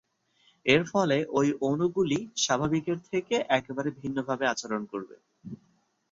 এর ফলে ওই অণুগুলি স্বাভাবিকের থেকে একেবারে ভিন্ন ভাবে আচরণ করবে।